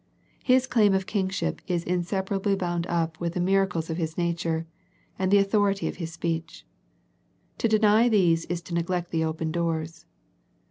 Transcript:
His claim of Kingship is inseparably bound up with the miracles of His nature, and the authority of His speech. To deny these is to neglect the open doors.